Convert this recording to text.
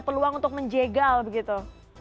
peluang untuk menjegal begitu